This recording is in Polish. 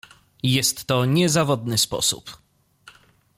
"Jest to niezawodny sposób."